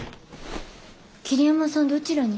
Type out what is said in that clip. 桐山さんどちらに？